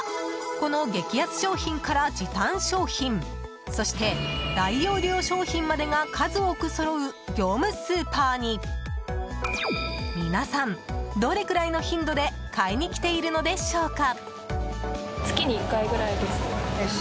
この激安商品から時短商品そして、大容量商品までが数多くそろう業務スーパーに皆さん、どれくらいの頻度で買いに来ているのでしょうか。